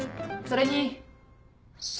それに？